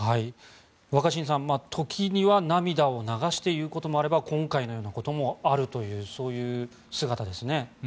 若新さん、時には涙を流して言うこともあれば今回のようなこともあるという姿ですね。